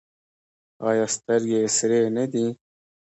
ایا سترګې یې سرې نه دي؟